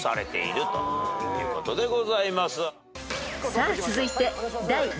［さあ続いて］